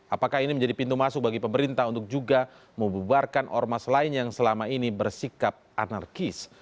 apakah ini menjadi pintu masuk bagi pemerintah untuk juga membubarkan ormas lain yang selama ini bersikap anarkis